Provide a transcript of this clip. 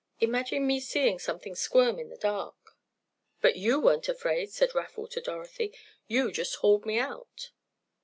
Imagine me seeing something squirm in the dark!" "But you weren't afraid," said Raffle to Dorothy. "You just hauled me out."